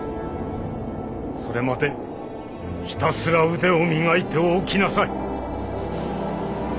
それまでひたすら腕を磨いておきなさい。